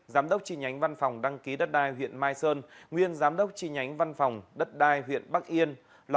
giám đốc chi nhánh văn phòng đăng ký đất đai huyện mai sơn nguyên giám đốc chi nhánh văn phòng đất đai huyện bắc yên